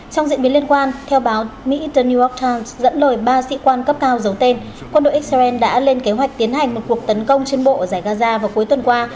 trong diễn biến liên quan theo báo mỹ the new york times dẫn lời ba sĩ quan cấp cao giấu tên quân đội israel đã lên kế hoạch tiến hành một cuộc tấn công trên bộ ở giải gaza vào cuối tuần qua